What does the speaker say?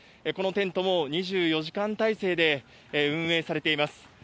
このテントも２４時間体制で運営されています。